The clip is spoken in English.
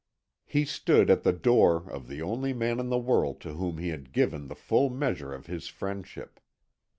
He stood at the door of the only man in the world to whom he had given the full measure of his friendship.